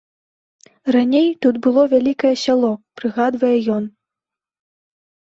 Раней тут было вялікае сяло, прыгадвае ён.